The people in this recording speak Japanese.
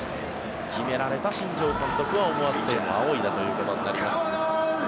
決められた新庄監督は思わず天を仰いだということになります。